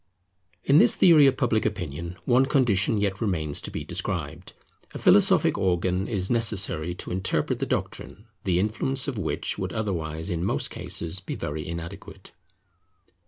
In this theory of Public Opinion one condition yet remains to be described. A philosophic organ is necessary to interpret the doctrine; the influence of which would otherwise in most cases be very inadequate.